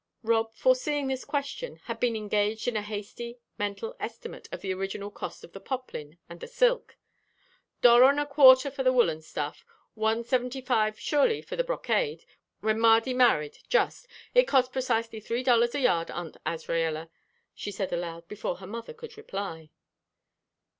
Rob, foreseeing this question, had been engaged in a hasty mental estimate of the original cost of the poplin and the silk. "Dollar and a quarter for the woollen stuff one seventy five, surely, for the brocade, when Mardy married, just it cost precisely three dollars a yard, Aunt Azraella," she said aloud, before her mother could reply.